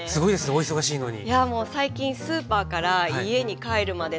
お忙しいのに。